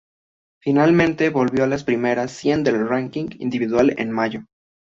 Finalmente volvió a las primeras cien del ranking individual en mayo.